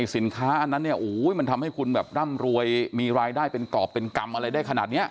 สินค้าอันนั้นเนี่ยมันทำให้คุณแบบร่ำรวยมีรายได้เป็นกรอบเป็นกรรมอะไรได้ขนาดนี้